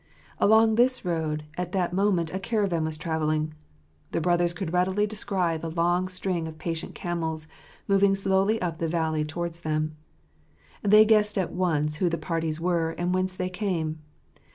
Along this road at that moment a caravan was travelling. The brothers could readily descry the long string of patient camels moving slowly up the valley towards them. They guessed at once who the parties were and whence they came.